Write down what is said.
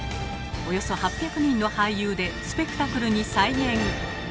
およそ８００人の俳優でスペクタクルに再現！